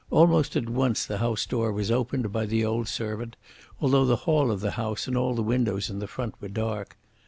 Almost at once the house door was opened by the old servant, although the hall of the house and all the windows in the front were dark.